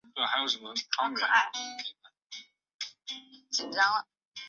依刊载顺序记载。